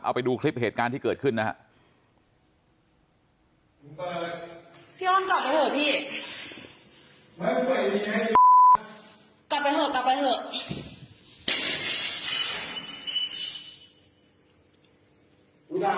เอาไปดูคลิปเหตุการณ์ที่เกิดขึ้นนะครับ